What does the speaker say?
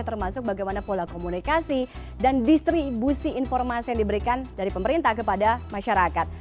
termasuk bagaimana pola komunikasi dan distribusi informasi yang diberikan dari pemerintah kepada masyarakat